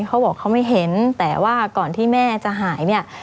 เขาบอกเขาไม่เห็นแต่ว่าก่อนที่แม่จะหายเนี่ย